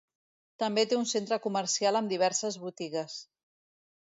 També té un centre comercial amb diverses botigues.